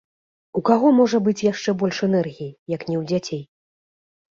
У каго можа быць яшчэ больш энергіі, як ні ў дзяцей?